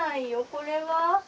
これは？